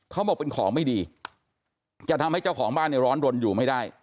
เขาบอกเป็นของไม่ดีจะทำให้เจ้าของบ้านเนี่ยร้อนรนอยู่ไม่ได้